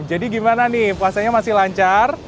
jadi gimana nih puasanya masih lancar